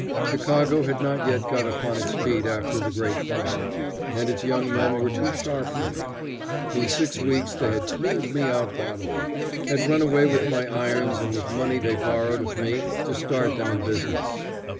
Chicago had not yet got upon its feet after the great fire; and its young men were too sharp for me. In six weeks they had cleaned me out bodily, had run away with my irons and with money they borrowed of me to start them in business.